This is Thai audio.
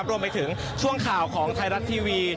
รวมไปถึงช่วงข่าวของไทยรัฐทีวี